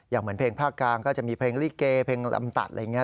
เหมือนเพลงภาคกลางก็จะมีเพลงลิเกเพลงลำตัดอะไรอย่างนี้